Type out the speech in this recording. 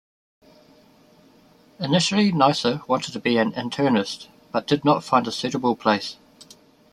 Initially Neisser wanted to be an internist, but did not find a suitable place.